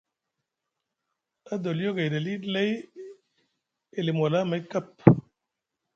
Adoliyo gayɗi aliɗi lay e limi wala amay kap.